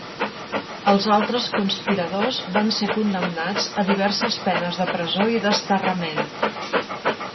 Els altres conspiradors van ser condemnats a diverses penes de presó i desterrament.